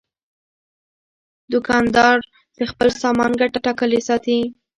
دوکاندار د خپل سامان ګټه ټاکلې ساتي.